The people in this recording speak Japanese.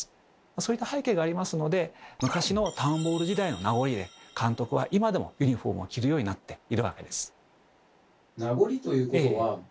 そういった背景がありますので昔のタウン・ボール時代の名残で監督は今でもユニフォームを着るようになっているわけです。